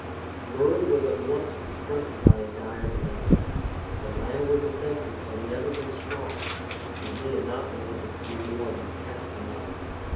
Murray was at once confronted by a dire dilemma. The landward defences had never been strong; and he had not been able to do more than patch them up.